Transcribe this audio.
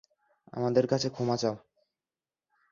আমাদের কাছে ক্ষমা চাও!